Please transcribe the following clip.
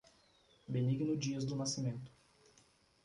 Benigno Dias do Nascimento